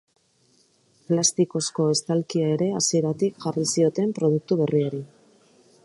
Plastikozko estalkia ere hasieratik jarri zioten produktu berriari.